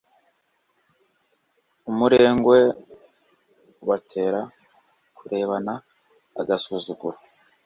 umurengwe ubatera kurebana agasuzuguro